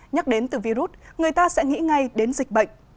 nhắc đến từ virus người ta sẽ nghĩ ngay đến dịch bệnh